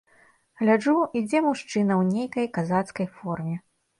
Гляджу, ідзе мужчына ў нейкай казацкай форме.